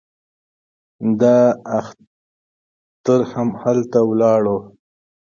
دا اختر هم هلته ولاړو.